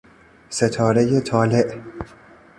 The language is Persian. ستارهی طالع